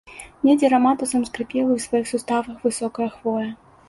Недзе раматусам скрыпела ў сваіх суставах высокая хвоя.